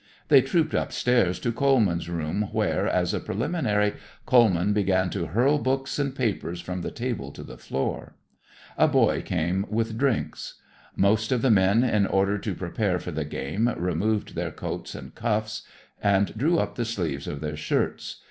They trooped upstairs to Coleman's rooms, where, as a preliminary, Coleman began to hurl books and papers from the table to the floor. A boy came with drinks. Most of the men, in order to prepare for the game, removed their coats and cuffs and drew up the sleeves of their shirts.